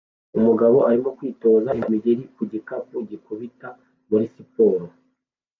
Umugabo arimo kwitoza imigeri ku gikapu gikubita muri siporo